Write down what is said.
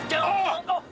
あっ！